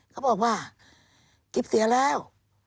เขาบอกว่ากิ๊บเสียแล้ว